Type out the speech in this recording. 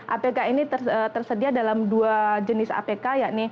apk ini tersedia dalam dua jenis apk